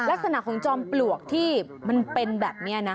ลักษณะของจอมปลวกที่มันเป็นแบบนี้นะ